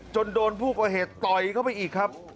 จนโดนผู้ก่อเหตุต่อยเข้าไปอีกครับ